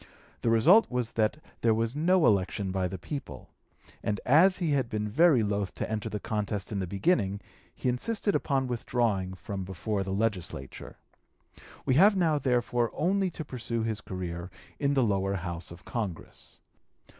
The result was that there was no election by the people; and as he had been very loath to enter the contest in the beginning, he insisted upon withdrawing from before the legislature. We have now therefore only to pursue his career in the lower house of Congress.